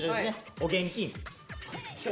「お現金」。